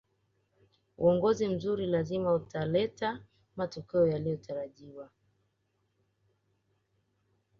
uongozi mzuri lazima utaleta matokeo yaliyotarajiwa